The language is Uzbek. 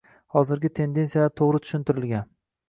Hozirgi tendentsiyalar to'g'ri tushuntirilgan